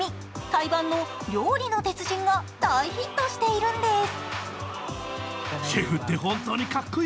タイ版の「料理の鉄人」が大ヒットしているんです。